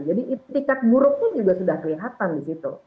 jadi itu tiket buruknya juga sudah kelihatan di situ